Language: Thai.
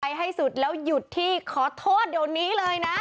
ให้สุดแล้วหยุดที่ขอโทษเดี๋ยวนี้เลยนะ